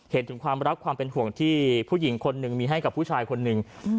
เห็นถึงความรักความเป็นห่วงที่ผู้หญิงคนหนึ่งมีให้กับผู้ชายคนหนึ่ง